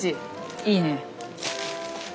いいね。